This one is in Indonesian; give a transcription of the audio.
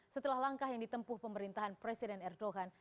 setelah langkah yang ditempuh pemerintahan presiden erdogan